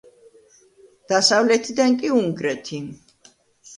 დასავლეთიდან კი უნგრეთი.